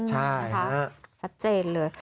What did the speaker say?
ใช่ฮะชัดเจนเลย